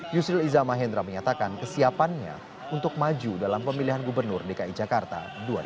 yusril iza mahendra menyatakan kesiapannya untuk maju dalam pemilihan gubernur dki jakarta dua ribu tujuh belas